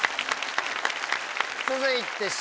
続いてＣ